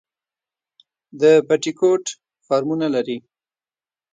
د بټي کوټ فارمونه لري